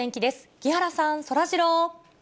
木原さん、そらジロー。